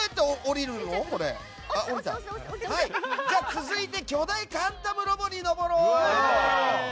続いて巨大カンタムロボに上ろう。